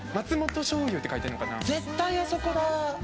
絶対あそこだ！